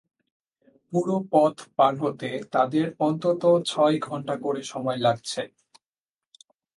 পুরো পথ পার হতে তাদের অন্তত ছয় ঘণ্টা করে সময় লাগছে।